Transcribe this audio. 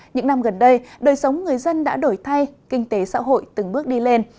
những năm gần đây đời sống người dân đã đổi thay kinh tế xã hội từng bước đi lên